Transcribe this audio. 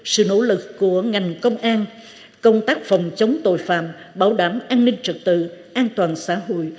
sự nỗ lực của ngành công an công tác phòng chống tội phạm bảo đảm an ninh trật tự an toàn xã hội